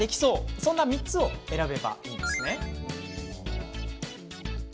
そんな３つを選べばいいんです。